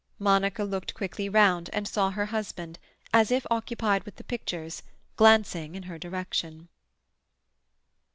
Monica looked quickly round, and saw her husband, as if occupied with the pictures, glancing in her direction.